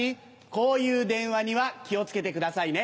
こういう電話には気を付けてくださいね。